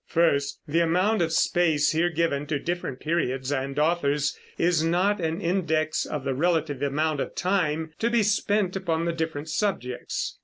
First, the amount of space here given to different periods and authors is not an index of the relative amount of time to be spent upon the different subjects.